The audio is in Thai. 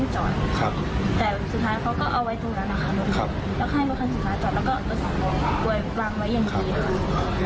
ใช่